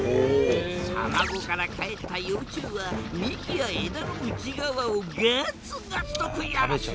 卵からかえった幼虫は幹や枝の内側をガツガツと食い荒らす。